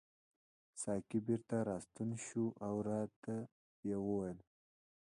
ساقي بیرته راستون شو او راته یې وویل.